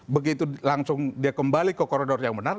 begitu langsung dia kembali ke koridor yang benar